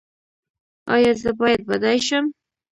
ایا زه باید بډای شم؟